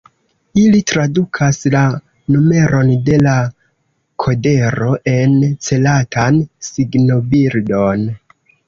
Ili tradukas la numeron de la kodero en celatan signobildon.